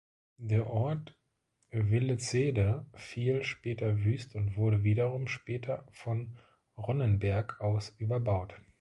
Der Ort Velecede fiel später wüst und wurde wiederum später von Ronnenberg aus überbaut.